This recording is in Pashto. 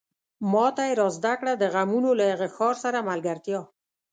ماته يې را زده کړه د غمونو له هغه ښار سره ملګرتيا